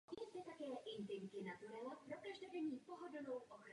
Nakonec dalším příkladem těchto nedostatků je takzvaný flexibilní mechanismus.